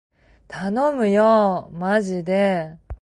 たのむよーまじでー